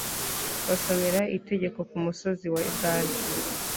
basomera itegeko ku musozi wa ebali